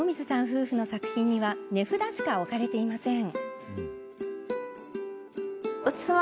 夫婦の作品には値札しか置かれていません。